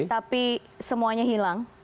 tapi semuanya hilang